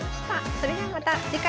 それではまた次回。